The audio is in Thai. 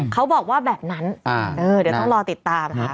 เขาบอกว่าแบบนั้นเดี๋ยวต้องรอติดตามค่ะ